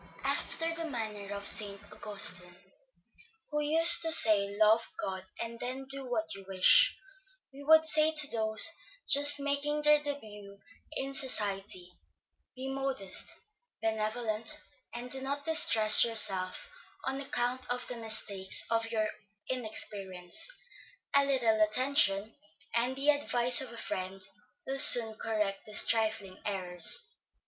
After the manner of St. Augustine, who used to say, Love God, and then do what you wish, we would say to those, just making their début in society, Be modest, benevolent, and do not distress yourself on account of the mistakes of your inexperience; a little attention, and the advice of a friend, will soon correct these trifling errors.